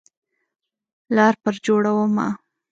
لار پر جوړومه